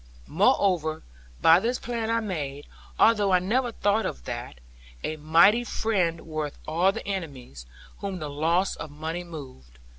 Moreover, by this plan I made although I never thought of that a mighty friend worth all the enemies, whom the loss of money moved.